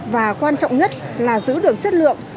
và quan trọng nhất là giữ được chất lượng